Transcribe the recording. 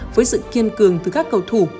với sự kiên cường từ các cầu thủ